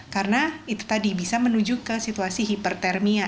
karena itu tadi bisa menuju ke situasi hipertermia